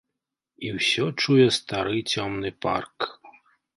І ўсё чуе стары цёмны парк.